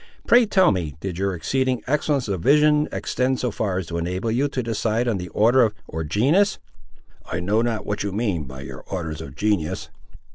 Pray tell me, did your exceeding excellence of vision extend so far as to enable you to decide on their order, or genus?" "I know not what you mean by your orders of genius."